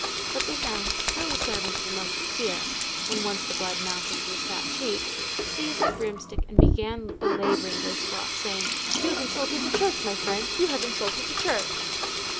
But Bazin, still the servant of a musketeer, when once the blood mounted to his fat cheeks, seized a broomstick and began belaboring Blaisois, saying: "You have insulted the church, my friend, you have insulted the church!"